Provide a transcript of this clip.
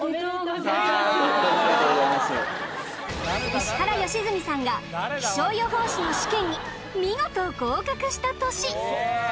石原良純さんが気象予報士の試験に見事合格した年